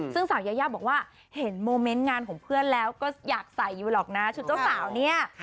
ซึ่งสาวยายาบอกว่าเห็นโมเมนต์งานของเพื่อนแล้วก็อยากใส่อยู่หรอกนะชุดเจ้าสาวเนี่ย